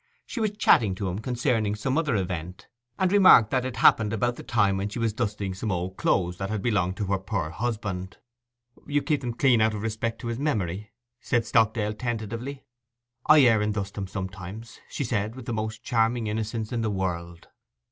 She was chatting to him concerning some other event, and remarked that it happened about the time when she was dusting some old clothes that had belonged to her poor husband. 'You keep them clean out of respect to his memory?' said Stockdale tentatively. 'I air and dust them sometimes,' she said, with the most charming innocence in the world.